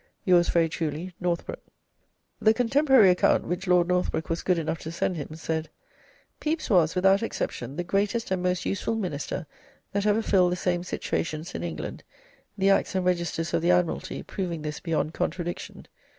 "'Yours very truly, "'NORTHBROOK. "The contemporary account, which Lord Northbrook was good enough to send him, said: "'Pepys was, without exception, the greatest and most useful Minister that ever filled the same situations in England, the acts and registers of the Admiralty proving this beyond contradiction.